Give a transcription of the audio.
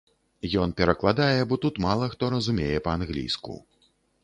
Ён перакладае, бо тут мала хто разумее па-англійску.